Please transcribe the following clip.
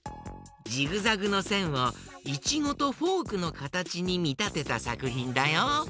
ジグザグのせんをイチゴとフォークのかたちにみたてたさくひんだよ。